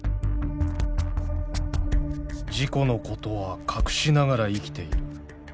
「事故のことは隠しながら生きている」。